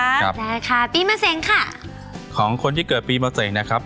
แล้วค่ะปีเมื่อเสร็จค่ะของคนที่เกิดปีเมื่อเสร็จนะครับ